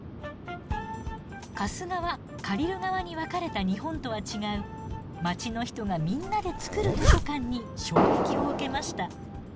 貸す側借りる側に分かれた日本とは違う街の人がみんなで作る図書館に衝撃を受けました。